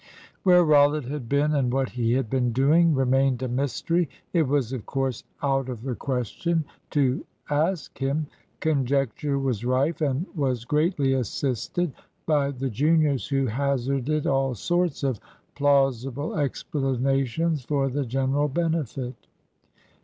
Where Rollitt had been, and what he had been doing, remained a mystery. It was, of course, out of the question to ask him. Conjecture was rife, and was greatly assisted by the juniors, who hazarded all sorts of plausible explanations for the general benefit.